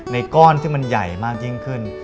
ก้อนที่มันใหญ่มากยิ่งขึ้น